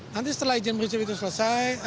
nanti setelah izin prinsip itu selesai